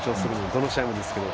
どの試合もですけど。